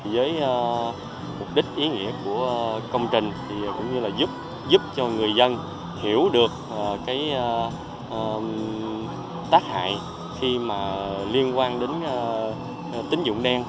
với mục đích ý nghĩa của công trình cũng như là giúp cho người dân hiểu được tác hại khi liên quan đến tín dụng đen